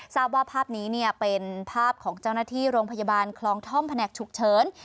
ทราบว่าภาพนี้เป็นภาพของเจ้าหน้าที่โรงพยาบาลคลองท่อมแผนกฉุกเฉิน